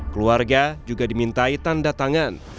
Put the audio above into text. keluarga juga dimintai tanda tangan